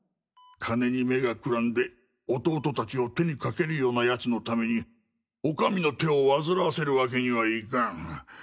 金に目がくらんで弟たちを手にかけるような奴のためにお上の手をわずらわせる訳にはいかん。